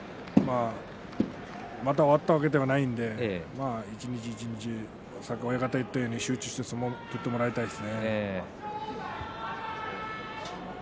まだ終わったわけではないので一日一日、親方が言ったように集中して相撲を取ってもらいたいですね。